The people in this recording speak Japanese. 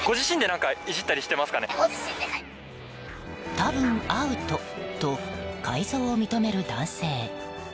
多分アウトと改造を認める男性。